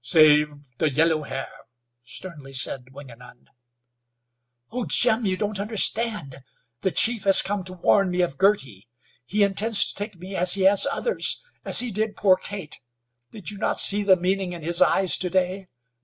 "Save the yellow hair," sternly said Wingenund. "Oh, Jim, you don't understand. The chief has come to warn me of Girty. He intends to take me as he has others, as he did poor Kate. did you not see the meaning in his eyes to day?